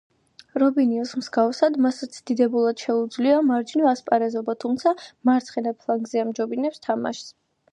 რობინიოს მსგავსად მასაც დიდებულად შეუძლია მარჯვნივ ასპარეზობა, თუმცა მარცხენა ფლანგზე ამჯობინებს თამაშს.